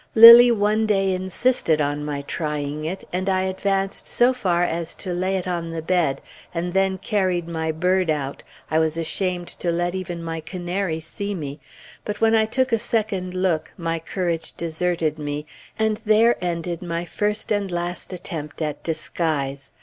Lilly one day insisted on my trying it, and I advanced so far as to lay it on the bed, and then carried my bird out I was ashamed to let even my canary see me; but when I took a second look, my courage deserted me, and there ended my first and last attempt at disguise.